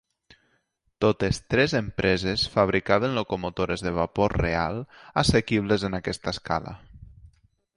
Totes tres empreses fabricaven locomotores de vapor real assequibles en aquesta escala.